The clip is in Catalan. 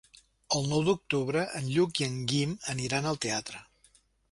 El nou d'octubre en Lluc i en Guim aniran al teatre.